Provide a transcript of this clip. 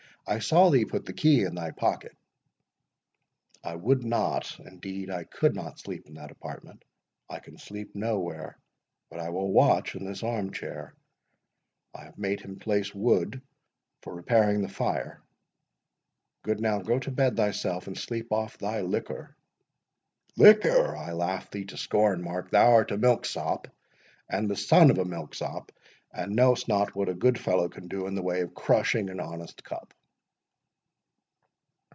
I saw thee put the key in thy pocket." "I would not—indeed I could not sleep in that apartment—I can sleep nowhere—but I will watch in this arm chair.—I have made him place wood for repairing the fire.—Good now, go to bed thyself, and sleep off thy liquor." "Liquor!—I laugh thee to scorn, Mark—thou art a milksop, and the son of a milksop, and know'st not what a good fellow can do in the way of crushing an honest cup."